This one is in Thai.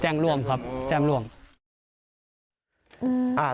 แจ้งก่อนแจ้งร่วมครับ